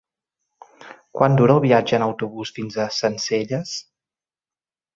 Quant dura el viatge en autobús fins a Sencelles?